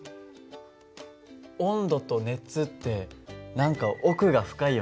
温度と熱って何か奥が深いよね。